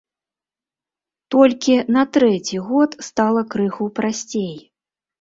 Толькі на трэці год стала крыху прасцей.